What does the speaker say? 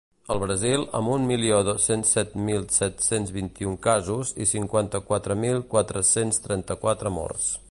El Brasil, amb un milió dos-cents set mil set-cents vint-i-un casos i cinquanta-quatre mil quatre-cents trenta-quatre morts.